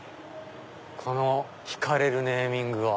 この引かれるネーミングは。